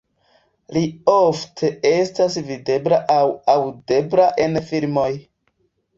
Li ofte estas videbla aŭ aŭdebla en filmoj.